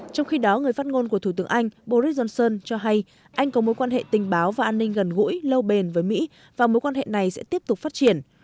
trong khi đó người phát ngôn của thủ tướng anh boris johnson cho hay anh có mối quan hệ tình báo và an ninh gần gũi lâu bền với mỹ và mối quan hệ này sẽ tiếp tục phát triển